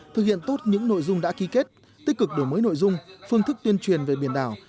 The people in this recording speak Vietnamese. thực hiện tốt những nội dung đã ký kết tích cực đổi mới nội dung phương thức tuyên truyền về biển đảo